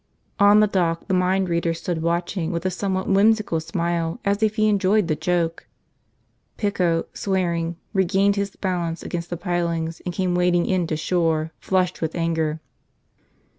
On the dock the mind reader stood watching with a somewhat whimsical smile as if he enjoyed the joke. Pico, swearing, regained his balance against the pilings and came wading in to shore, flushed with anger.